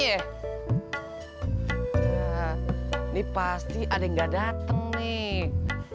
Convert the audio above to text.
ini pasti ada yang nggak dateng nih